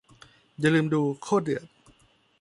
อย่าลืมดู โคตรเดือด